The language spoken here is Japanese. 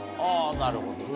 なるほどね。